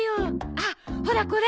あっほらこれ。